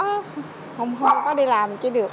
không đi làm chứ được